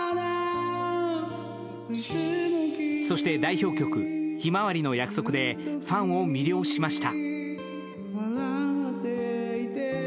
そして代表曲「ひまわりの約束」でファンを魅了しました。